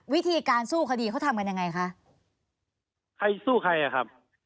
วิธีการสู้คดีเขาทำกันยังไงคะใครสู้ใครอ่ะครับ